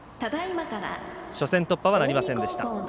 初戦突破はなりませんでした。